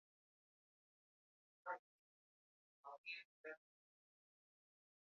Per Sant Jordi na Neus i na Clàudia iran a Vilaller.